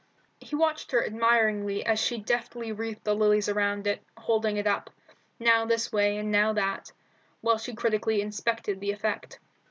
He watched her admiringly as she deftly wreathed the lilies around it, holding it up, now this way and now that, while she critically inspected the effect.